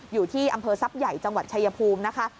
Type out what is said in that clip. อยู่ที่อำเภอทรัพย์ใหญ่จังหวัดชายภูมินะคะ